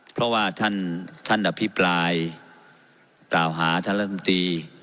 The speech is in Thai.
เพราะว่าท่านอภิปรายกล่าวหาท่านรัฐมนตรี